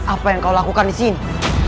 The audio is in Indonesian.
apa yang kau lakukan disini